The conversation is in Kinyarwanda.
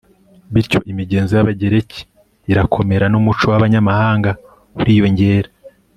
bityo imigenzo y'abagereki irakomera n'umuco w'abanyamahanga uriyongera